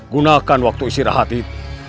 gunakan waktu istirahat itu